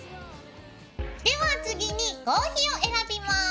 では次に合皮を選びます。